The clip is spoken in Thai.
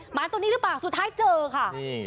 หมาตัวนี้หรือเปล่าสุดท้ายเจอค่ะอืม